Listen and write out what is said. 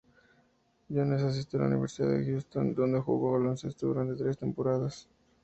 Jones asistió a la Universidad de Houston, donde jugó al baloncesto durante tres temporadas.